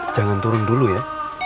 jangan turun dulu ya